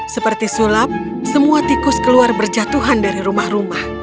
seperti sulap semua tikus keluar berjatuhan dari rumah rumah